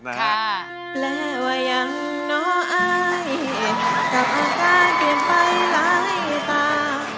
แปลว่ายังน้ออายกับอาการเปลี่ยนไปหลายตา